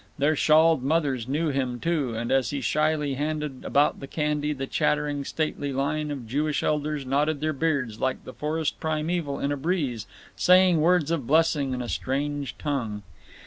Their shawled mothers knew him, too, and as he shyly handed about the candy the chattering stately line of Jewish elders nodded their beards like the forest primeval in a breeze, saying words of blessing in a strange tongue.